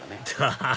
ハハハハ！